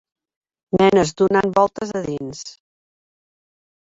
Nenes donant voltes a dins.